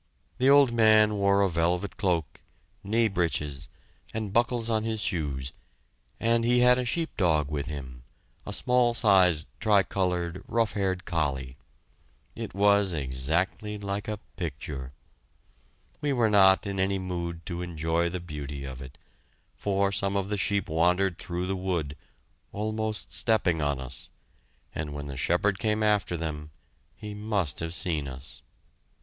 The old man wore a velvet cloak, knee breeches, and buckles on his shoes, and he had a sheep dog with him a small sized tricolored, rough haired collie. It was exactly like a picture! We were not in any mood to enjoy the beauty of it, for some of the sheep wandered through the wood, almost stepping on us, and when the shepherd came after them, he must have seen us.